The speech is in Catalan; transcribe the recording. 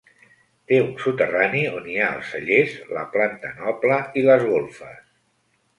Té un soterrani on hi ha els cellers, la planta noble i les golfes.